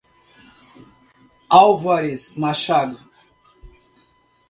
Álvares Machado